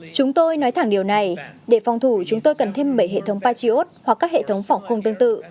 chúng tôi nói thẳng điều này để phòng thủ chúng tôi cần thêm bảy hệ thống patriot hoặc các hệ thống phòng không tương tự